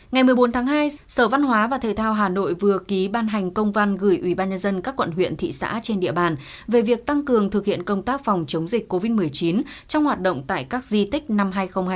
ngày một mươi bốn tháng hai sở văn hóa và thể thao hà nội vừa ký ban hành công văn gửi ubnd các quận huyện thị xã trên địa bàn về việc tăng cường thực hiện công tác phòng chống dịch covid một mươi chín trong hoạt động tại các di tích năm hai nghìn hai mươi